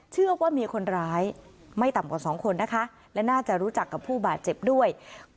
เชื่อว่ามีคนร้ายไม่ต่ำกว่า๒คนนะคะและน่าจะรู้จักกับผู้บาดเจ็บด้วย